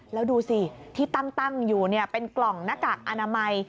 แล้วดูสิที่ตั้งอยู่เป็นกล่องหน้ากากอนามัย